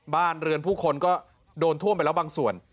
บ้านเรือนผู้คนก็โดนท่วมไปแล้วบางส่วน